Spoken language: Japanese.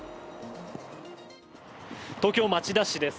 東京・町田市です。